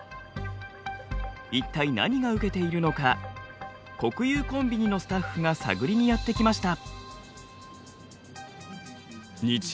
一体何がウケているのか国有コンビニのスタッフが探りにやって来ました。